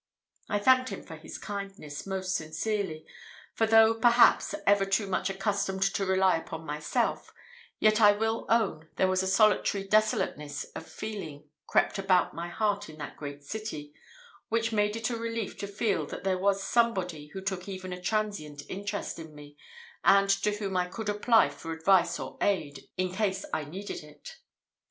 I thanked him for his kindness most sincerely; for though, perhaps, ever too much accustomed to rely upon myself, yet I will own there was a solitary desolateness of feeling crept about my heart in that great city, which made it a relief to feel that there was somebody who took even a transient interest in me, and to whom I could apply for advice or aid, in case I needed it.